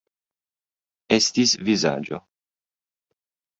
Estis vizaĝo.